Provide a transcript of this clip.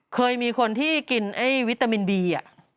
เคยมีคนที่กินไอ้วิตามินบี